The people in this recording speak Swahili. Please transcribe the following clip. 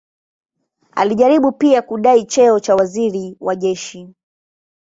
Alijaribu pia kudai cheo cha waziri wa jeshi.